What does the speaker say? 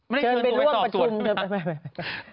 ไม่ได้เชิญไปร่วมประชุม